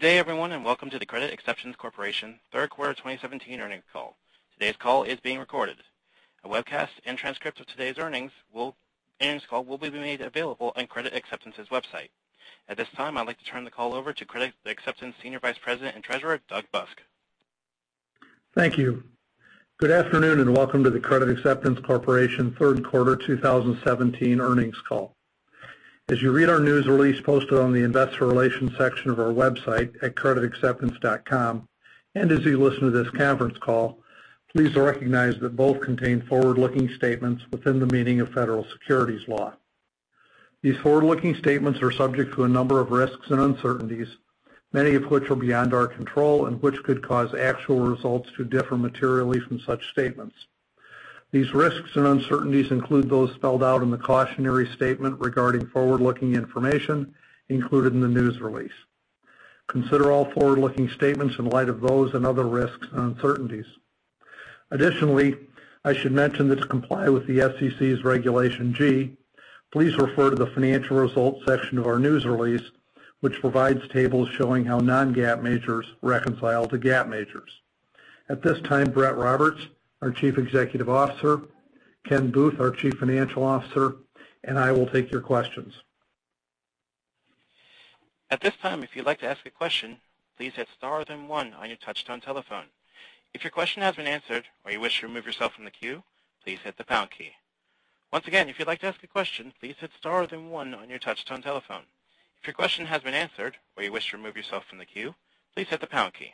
Good day everyone. Welcome to the Credit Acceptance Corporation third quarter 2017 earnings call. Today's call is being recorded. A webcast and transcript of today's earnings call will be made available on Credit Acceptance's website. At this time, I'd like to turn the call over to Credit Acceptance Senior Vice President and Treasurer, Doug Busk. Thank you. Good afternoon. Welcome to the Credit Acceptance Corporation third quarter 2017 earnings call. As you read our news release posted on the investor relations section of our website at creditacceptance.com, as you listen to this conference call, please recognize that both contain forward-looking statements within the meaning of federal securities law. These forward-looking statements are subject to a number of risks and uncertainties, many of which are beyond our control and which could cause actual results to differ materially from such statements. These risks and uncertainties include those spelled out in the cautionary statement regarding forward-looking information included in the news release. Consider all forward-looking statements in light of those and other risks and uncertainties. Additionally, I should mention that to comply with the SEC's Regulation G, please refer to the financial results section of our news release, which provides tables showing how non-GAAP measures reconcile to GAAP measures. At this time, Brett Roberts, our Chief Executive Officer, Ken Booth, our Chief Financial Officer, I will take your questions. At this time, if you'd like to ask a question, please hit star then one on your touch-tone telephone. If your question has been answered or you wish to remove yourself from the queue, please hit the pound key. Once again, if you'd like to ask a question, please hit star then one on your touch-tone telephone. If your question has been answered or you wish to remove yourself from the queue, please hit the pound key.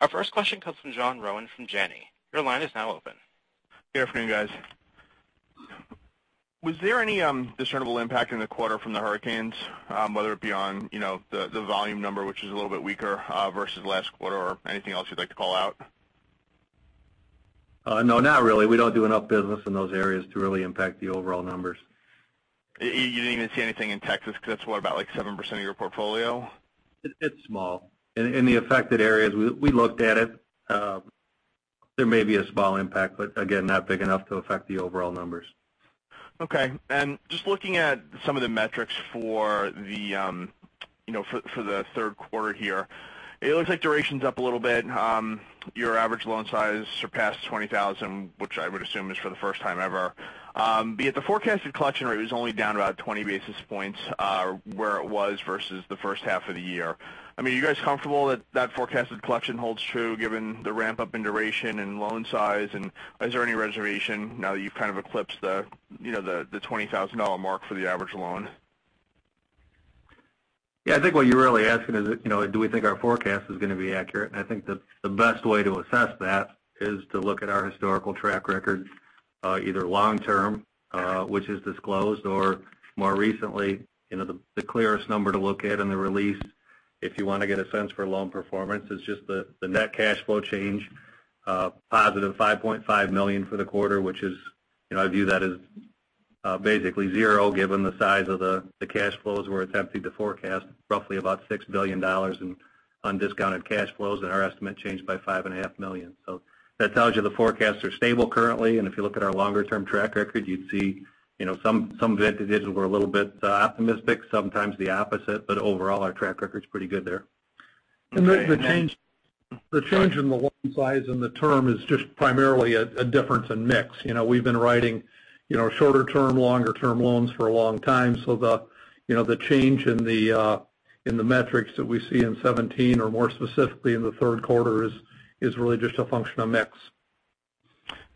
Our first question comes from John Rowan from Janney. Your line is now open. Good afternoon, guys. Was there any discernible impact in the quarter from the hurricanes, whether it be on the volume number, which is a little bit weaker, versus last quarter or anything else you'd like to call out? No, not really. We don't do enough business in those areas to really impact the overall numbers. You didn't even see anything in Texas, because that's what, about 7% of your portfolio? It's small. In the affected areas, we looked at it. There may be a small impact, but again, not big enough to affect the overall numbers. Okay. Just looking at some of the metrics for the third quarter here, it looks like duration's up a little bit. Your average loan size surpassed $20,000, which I would assume is for the first time ever. Yet the forecasted collection rate was only down about 20 basis points, where it was versus the first half of the year. Are you guys comfortable that that forecasted collection holds true given the ramp-up in duration and loan size? Is there any reservation now that you've kind of eclipsed the $20,000 mark for the average loan? Yeah, I think what you're really asking is, do we think our forecast is going to be accurate? I think that the best way to assess that is to look at our historical track record, either long-term, which is disclosed, or more recently. The clearest number to look at in the release if you want to get a sense for loan performance is just the net cash flow change, positive $5.5 million for the quarter. I view that as basically zero, given the size of the cash flows. We're attempting to forecast roughly about $6 billion in undiscounted cash flows, and our estimate changed by $5.5 million. That tells you the forecasts are stable currently. If you look at our longer-term track record, you'd see some vintages were a little bit optimistic, sometimes the opposite, but overall, our track record's pretty good there. The change in the loan size and the term is just primarily a difference in mix. We've been writing shorter-term, longer-term loans for a long time. The change in the metrics that we see in 2017 or more specifically in the third quarter is really just a function of mix.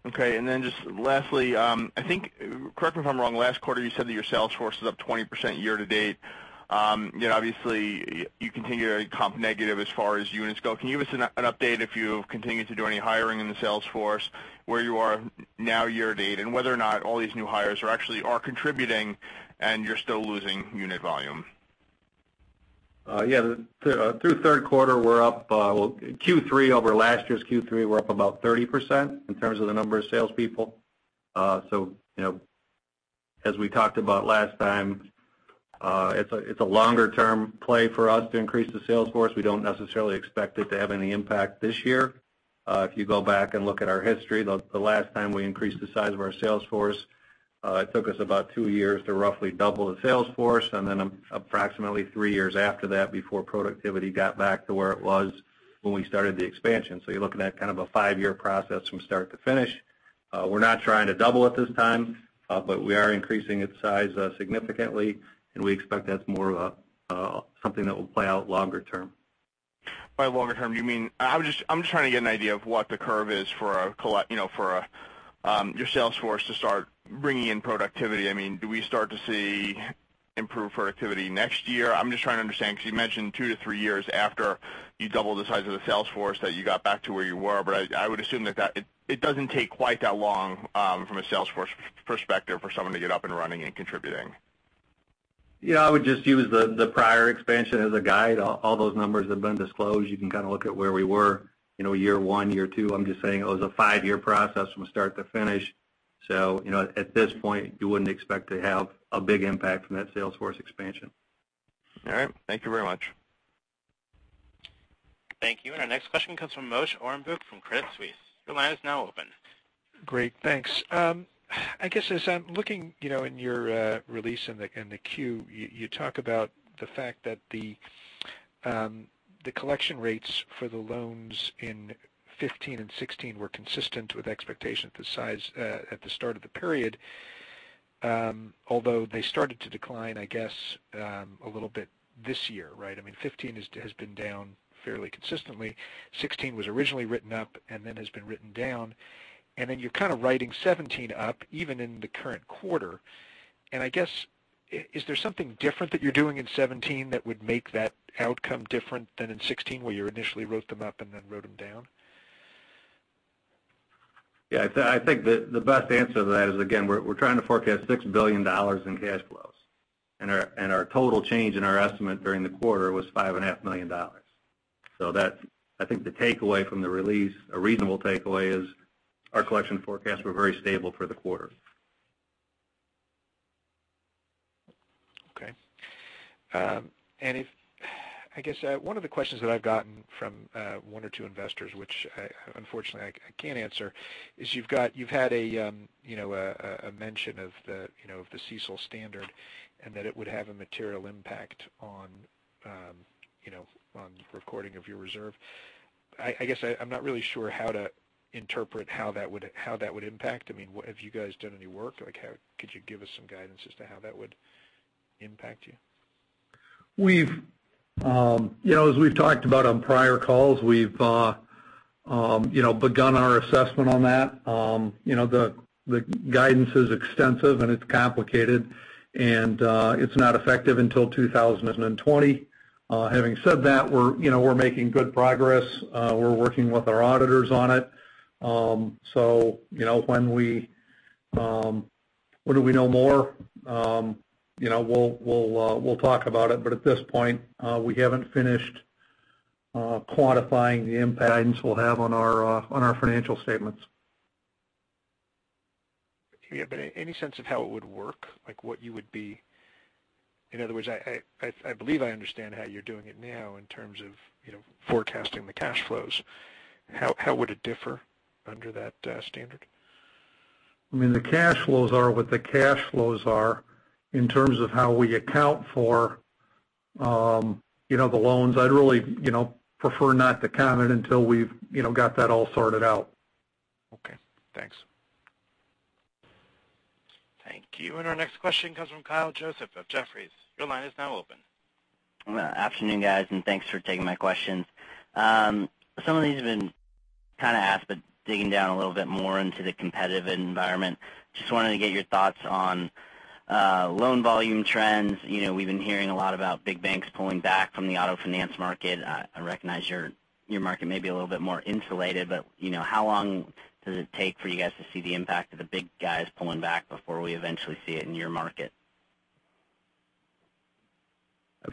Okay, just lastly, I think, correct me if I'm wrong, last quarter you said that your sales force is up 20% year-to-date. Obviously you continue to comp negative as far as units go. Can you give us an update if you've continued to do any hiring in the sales force, where you are now year-to-date, and whether or not all these new hires are actually contributing and you're still losing unit volume? Yeah. Through third quarter, Q3 over last year's Q3, we're up about 30% in terms of the number of salespeople. As we talked about last time, it's a longer-term play for us to increase the sales force. We don't necessarily expect it to have any impact this year. If you go back and look at our history, the last time we increased the size of our sales force, it took us about two years to roughly double the sales force. Approximately three years after that, before productivity got back to where it was when we started the expansion. You're looking at kind of a five-year process from start to finish. We're not trying to double it this time. We are increasing its size significantly, and we expect that's more of something that will play out longer term. By longer term, I'm just trying to get an idea of what the curve is for your sales force to start bringing in productivity. Do we start to see improved productivity next year? I'm just trying to understand, because you mentioned two to three years after you double the size of the sales force that you got back to where you were. I would assume that it doesn't take quite that long from a sales force perspective for someone to get up and running and contributing. Yeah, I would just use the prior expansion as a guide. All those numbers have been disclosed. You can kind of look at where we were year one, year two. I'm just saying it was a five-year process from start to finish. At this point, you wouldn't expect to have a big impact from that sales force expansion. All right. Thank you very much. Thank you. Our next question comes from Moshe Orenbuch from Credit Suisse. Your line is now open. Great, thanks. I guess as I'm looking in your release and the 10-Q, you talk about the fact that the collection rates for the loans in 2015 and 2016 were consistent with expectations at the start of the period, although they started to decline, I guess, a little bit this year, right? I mean, 2015 has been down fairly consistently. 2016 was originally written up and then has been written down. You're kind of writing 2017 up even in the current quarter. I guess, is there something different that you're doing in 2017 that would make that outcome different than in 2016, where you initially wrote them up and then wrote them down? Yeah, I think the best answer to that is, again, we're trying to forecast $6 billion in cash flows. Our total change in our estimate during the quarter was $5.5 million. I think the takeaway from the release, a reasonable takeaway, is our collection forecasts were very stable for the quarter. Okay. I guess one of the questions that I've gotten from one or two investors, which unfortunately I can't answer, is you've had a mention of the CECL standard and that it would have a material impact on recording of your reserve. I guess I'm not really sure how to interpret how that would impact. I mean, have you guys done any work? Could you give us some guidance as to how that would impact you? As we've talked about on prior calls, we've begun our assessment on that. The guidance is extensive, it's complicated, it's not effective until 2020. Having said that, we're making good progress. We're working with our auditors on it. When we know more, we'll talk about it. At this point, we haven't finished quantifying the impact this will have on our financial statements. Any sense of how it would work? In other words, I believe I understand how you're doing it now in terms of forecasting the cash flows. How would it differ under that standard? I mean, the cash flows are what the cash flows are. In terms of how we account for the loans, I'd really prefer not to comment until we've got that all sorted out. Okay, thanks. Thank you. Our next question comes from Kyle Joseph of Jefferies. Your line is now open. Afternoon, guys, and thanks for taking my questions. Some of these have been kind of asked, but digging down a little bit more into the competitive environment. Just wanted to get your thoughts on loan volume trends. We've been hearing a lot about big banks pulling back from the auto finance market. I recognize your market may be a little bit more insulated, but how long does it take for you guys to see the impact of the big guys pulling back before we eventually see it in your market?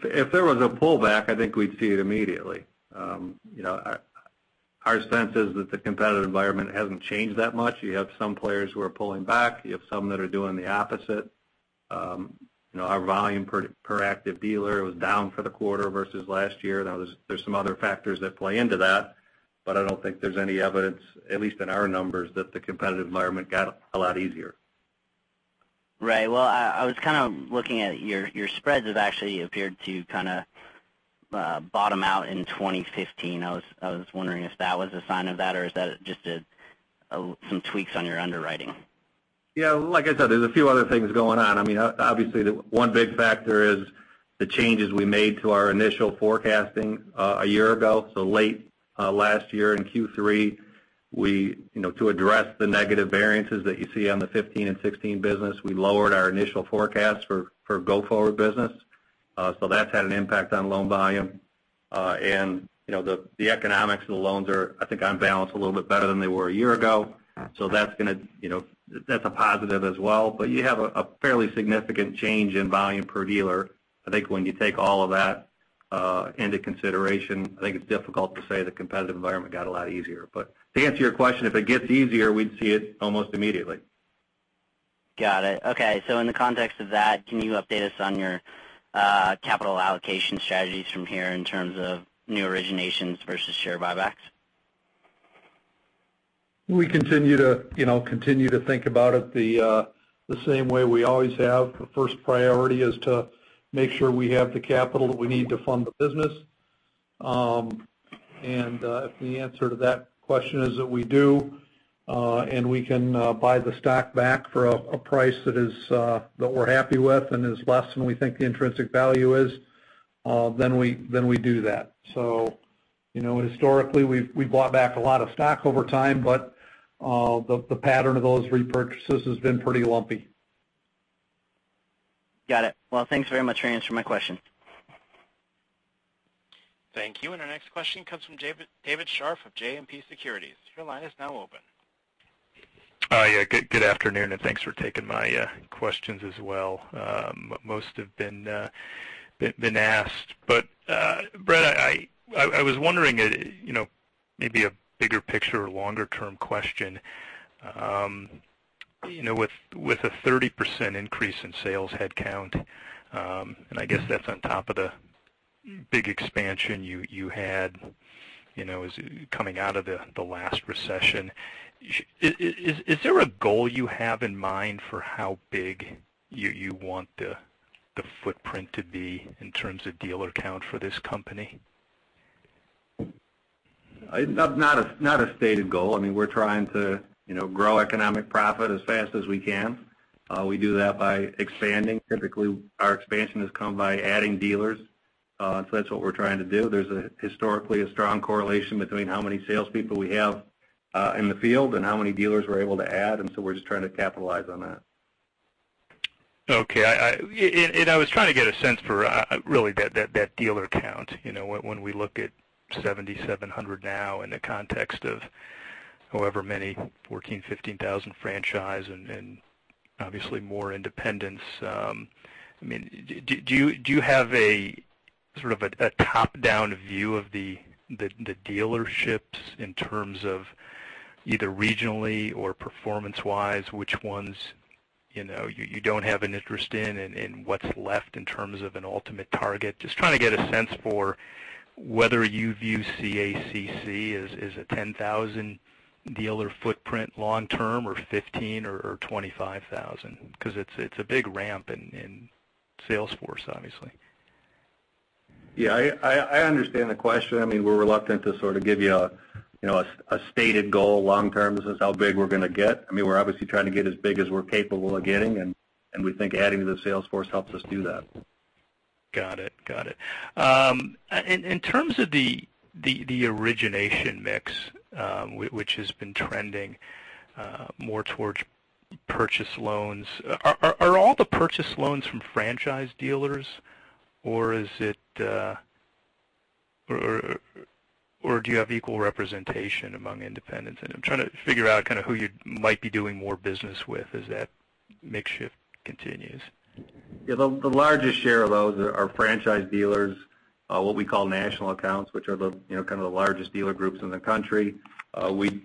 If there was a pullback, I think we'd see it immediately. Our sense is that the competitive environment hasn't changed that much. You have some players who are pulling back. You have some that are doing the opposite. Our volume per active dealer was down for the quarter versus last year. Now, there's some other factors that play into that, but I don't think there's any evidence, at least in our numbers, that the competitive environment got a lot easier. Right. Well, I was kind of looking at your spreads have actually appeared to kind of bottom out in 2015. I was wondering if that was a sign of that, or is that just some tweaks on your underwriting? Like I said, there's a few other things going on. I mean, obviously one big factor is the changes we made to our initial forecasting a year ago. Late last year in Q3, to address the negative variances that you see on the 2015 and 2016 business, we lowered our initial forecast for go-forward business. That's had an impact on loan volume. The economics of the loans are, I think, on balance, a little bit better than they were a year ago. That's a positive as well. You have a fairly significant change in volume per dealer. I think when you take all of that into consideration, I think it's difficult to say the competitive environment got a lot easier. To answer your question, if it gets easier, we'd see it almost immediately. Got it. Okay. In the context of that, can you update us on your capital allocation strategies from here in terms of new originations versus share buybacks? We continue to think about it the same way we always have. The first priority is to make sure we have the capital that we need to fund the business. If the answer to that question is that we do, and we can buy the stock back for a price that we're happy with and is less than we think the intrinsic value is, then we do that. Historically, we've bought back a lot of stock over time, the pattern of those repurchases has been pretty lumpy. Got it. Thanks very much for answering my question. Thank you. Our next question comes from David Scharf of JMP Securities. Your line is now open. Yeah. Good afternoon, thanks for taking my questions as well. Most have been asked. Brett, I was wondering, maybe a bigger picture or longer-term question. With a 30% increase in sales headcount, I guess that's on top of the big expansion you had, coming out of the last recession. Is there a goal you have in mind for how big you want the footprint to be in terms of dealer count for this company? It's not a stated goal. We're trying to grow economic profit as fast as we can. We do that by expanding. Typically, our expansion has come by adding dealers. That's what we're trying to do. There's historically a strong correlation between how many salespeople we have in the field and how many dealers we're able to add, we're just trying to capitalize on that. Okay. I was trying to get a sense for really that dealer count. When we look at 7,700 now in the context of however many, 14,000, 15,000 franchise and obviously more independents. Do you have a top-down view of the dealerships in terms of either regionally or performance-wise? Which ones you don't have an interest in, and what's left in terms of an ultimate target? Just trying to get a sense for whether you view CACC as a 10,000-dealer footprint long term or 15,000 or 25,000, because it's a big ramp in sales force, obviously. Yeah, I understand the question. We're reluctant to give you a stated goal long term. This is how big we're going to get. We're obviously trying to get as big as we're capable of getting, and we think adding to the sales force helps us do that. Got it. In terms of the origination mix which has been trending more towards Purchase Program loans, are all the Purchase Program loans from franchise dealers, or do you have equal representation among independents? I'm trying to figure out who you might be doing more business with as that mix shift continues. The largest share of those are franchise dealers, what we call national accounts, which are the largest dealer groups in the country.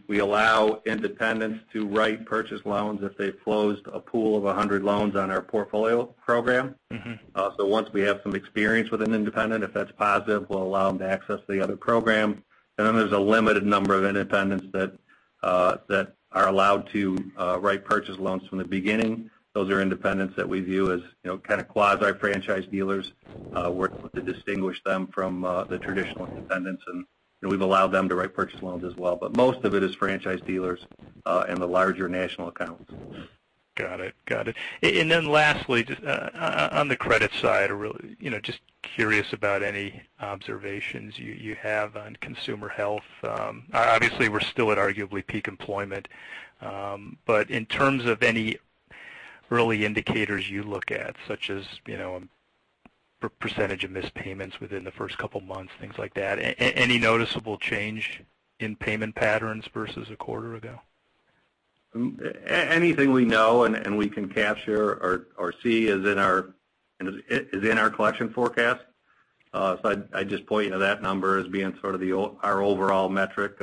We allow independents to write Purchase Program loans if they've closed a pool of 100 loans on our Portfolio Program. Once we have some experience with an independent, if that's positive, we'll allow them to access the other program. There's a limited number of independents that are allowed to write Purchase Program loans from the beginning. Those are independents that we view as quasi-franchise dealers. We're able to distinguish them from the traditional independents, and we've allowed them to write Purchase Program loans as well. Most of it is franchise dealers and the larger national accounts. Lastly, on the credit side, just curious about any observations you have on consumer health. Obviously, we're still at arguably peak employment. In terms of any early indicators you look at, such as percentage of missed payments within the first couple of months, things like that, any noticeable change in payment patterns versus a quarter ago? Anything we know and we can capture or see is in our collection forecast. I'd just point to that number as being our overall metric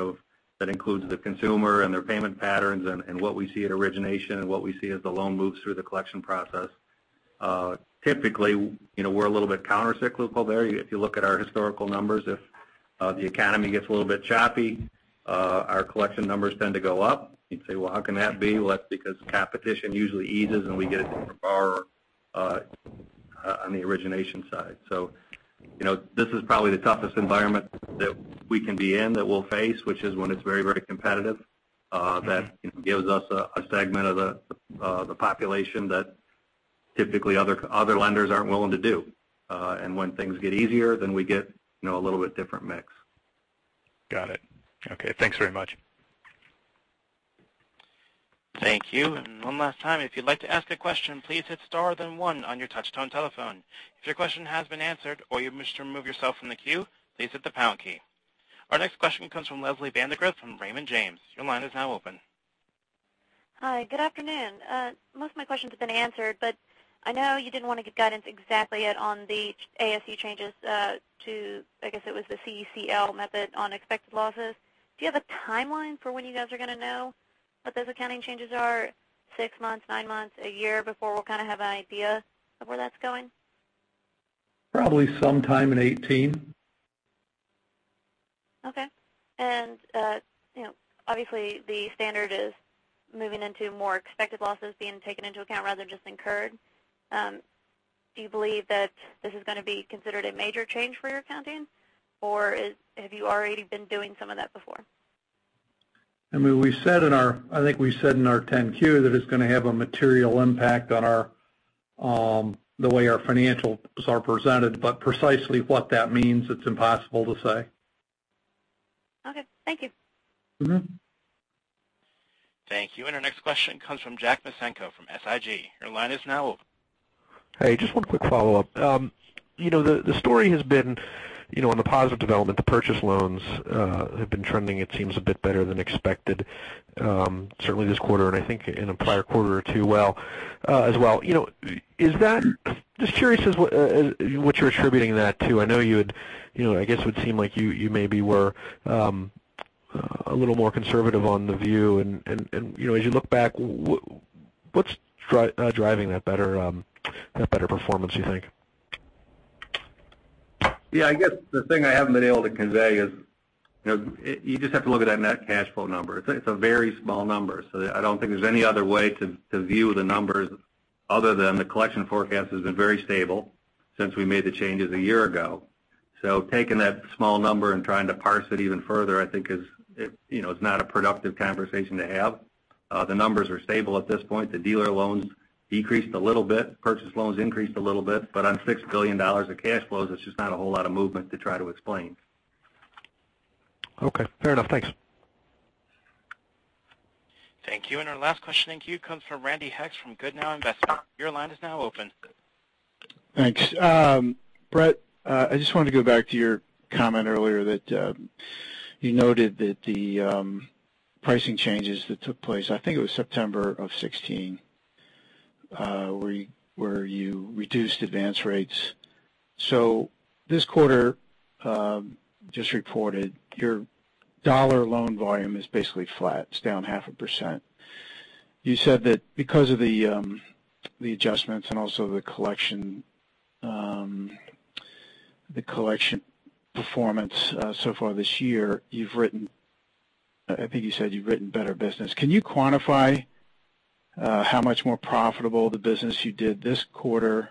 that includes the consumer and their payment patterns and what we see at origination and what we see as the loan moves through the collection process. Typically, we're a little bit countercyclical there. If you look at our historical numbers, if the economy gets a little bit choppy, our collection numbers tend to go up. You'd say, "Well, how can that be?" That's because competition usually eases, we get a different borrower on the origination side. This is probably the toughest environment that we can be in that we'll face, which is when it's very competitive. That gives us a segment of the population that typically other lenders aren't willing to do. When things get easier, we get a little bit different mix. Got it. Okay. Thanks very much. Thank you. One last time, if you'd like to ask a question, please hit star then one on your touch-tone telephone. If your question has been answered or you wish to remove yourself from the queue, please hit the pound key. Our next question comes from Leslie Bandegra from Raymond James. Your line is now open. Hi, good afternoon. Most of my questions have been answered. I know you didn't want to give guidance exactly yet on the ASC changes to, I guess it was the CECL method on expected losses. Do you have a timeline for when you guys are going to know what those accounting changes are? Six months, nine months, a year before we'll kind of have an idea of where that's going? Probably sometime in 2018. Okay. Obviously the standard is moving into more expected losses being taken into account rather than just incurred. Do you believe that this is going to be considered a major change for your accounting? Or have you already been doing some of that before? I think we said in our 10-Q that it's going to have a material impact on the way our financials are presented. Precisely what that means, it's impossible to say. Okay. Thank you. Thank you. Our next question comes from Jack Micenko from SIG. Your line is now open. Hey, just one quick follow-up. The story has been on the positive development. The purchase loans have been trending, it seems, a bit better than expected. Certainly this quarter. I think in a prior quarter or two as well. Just curious as what you're attributing that to. I guess it would seem like you maybe were a little more conservative on the view. As you look back, what's driving that better performance, you think? Yeah, I guess the thing I haven't been able to convey is you just have to look at that net cash flow number. It's a very small number. I don't think there's any other way to view the numbers other than the collection forecast has been very stable since we made the changes a year ago. Taking that small number and trying to parse it even further, I think is not a productive conversation to have. The numbers are stable at this point. The dealer loans decreased a little bit. Purchase loans increased a little bit. But on $6 billion of cash flows, it's just not a whole lot of movement to try to explain. Okay. Fair enough. Thanks. Thank you. Our last question in queue comes from Randy Heck from Goodnow Investment. Your line is now open. Thanks. Brett, I just wanted to go back to your comment earlier that you noted that the pricing changes that took place, I think it was September of 2016, where you reduced advance rates. This quarter just reported your dollar loan volume is basically flat. It's down 0.5%. You said that because of the adjustments and also the collection performance so far this year, I think you said you've written better business. Can you quantify how much more profitable the business you did this quarter,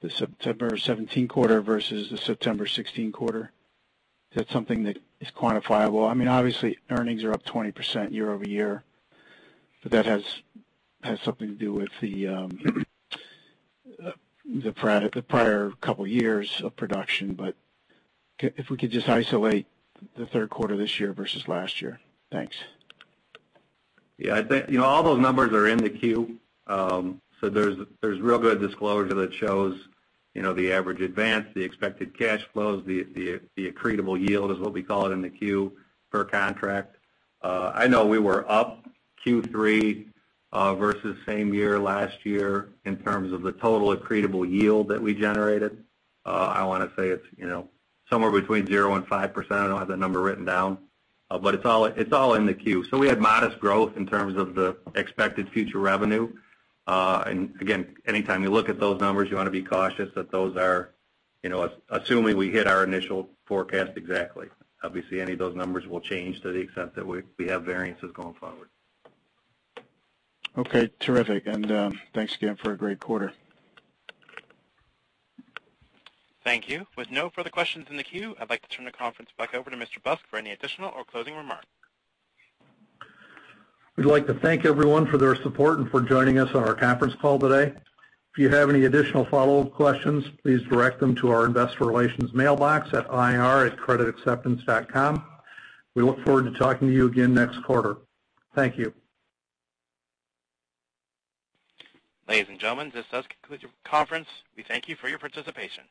the September 2017 quarter versus the September 2016 quarter? Is that something that is quantifiable? Obviously, earnings are up 20% year-over-year, but that has something to do with the prior couple years of production. But if we could just isolate the third quarter this year versus last year. Thanks. All those numbers are in the 10-Q. There's real good disclosure that shows the average advance, the expected cash flows, the accretable yield is what we call it in the 10-Q, per contract. I know we were up Q3 versus same year last year in terms of the total accretable yield that we generated. I want to say it's somewhere between 0% and 5%. I don't have that number written down. It's all in the 10-Q. We had modest growth in terms of the expected future revenue. Again, anytime you look at those numbers, you want to be cautious that those are assuming we hit our initial forecast exactly. Obviously, any of those numbers will change to the extent that we have variances going forward. Okay, terrific. Thanks again for a great quarter. Thank you. With no further questions in the queue, I'd like to turn the conference back over to Mr. Busk for any additional or closing remark. We'd like to thank everyone for their support and for joining us on our conference call today. If you have any additional follow-up questions, please direct them to our investor relations mailbox at ir@creditacceptance.com. We look forward to talking to you again next quarter. Thank you. Ladies and gentlemen, this does conclude your conference. We thank you for your participation.